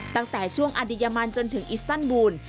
ตั้งแต่ช่วงอดียามันจนถึงอิสตันบูล